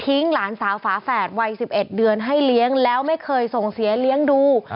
หลานสาวฝาแฝดวัย๑๑เดือนให้เลี้ยงแล้วไม่เคยส่งเสียเลี้ยงดู